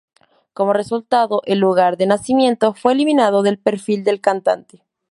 Como resultado, el "Lugar de nacimiento" fue eliminado del perfil del cantante.